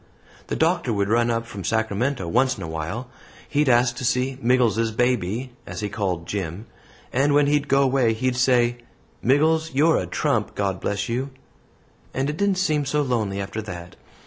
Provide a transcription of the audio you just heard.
The Doctor would run up from Sacramento once in a while. He'd ask to see 'Miggles's baby,' as he called Jim, and when he'd go away, he'd say, 'Miggles; you're a trump God bless you'; and it didn't seem so lonely after that.